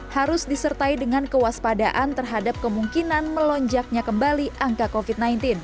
harus disertai dengan kewaspadaan terhadap kemungkinan melonjaknya kembali angka covid sembilan belas